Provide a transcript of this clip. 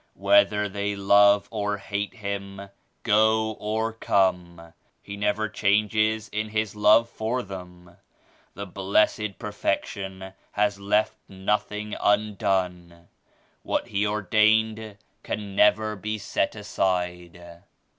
Whether they love or hate him, go or come, he never changes in his love for them. The Blessed Perfection has left nothing undone. What He ordained can never be set aside."